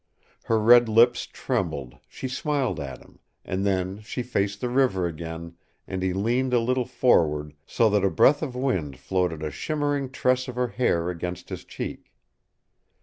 Her red lips trembled, she smiled at him, and then she faced the river again, and he leaned a little forward, so that a breath of wind floated a shimmering tress of her hair against his cheek.